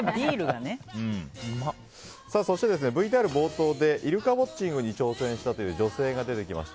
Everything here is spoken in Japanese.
そして、ＶＴＲ冒頭でイルカウォッチングに挑戦したという女性が出てきました。